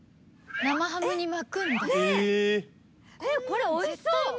えっこれおいしそう。